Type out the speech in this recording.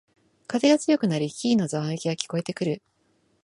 風が強くなり木々のざわめきが聞こえてくる